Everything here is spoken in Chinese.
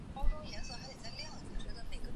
轻关易道，通商宽衣。